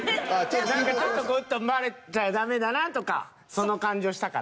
何かちょっとこうと思われたらダメだなとかその感じをしたから。